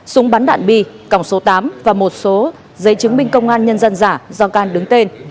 súng bắn đạn bi còng số tám và một số giấy chứng minh công an nhân dân giả do can đứng tên